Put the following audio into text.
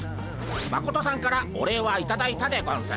マコトさんからお礼はいただいたでゴンス。